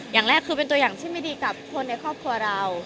อย่างแรกคือเป็นตัวอย่างที่ไม่ดีกับคนในครอบครัวเรา